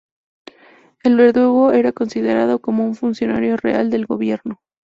El verdugo era considerado como un funcionario real del gobierno.